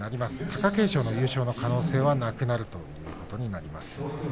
貴景勝の優勝の可能性はなくなることになります。